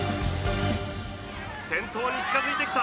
先頭に近付いてきた。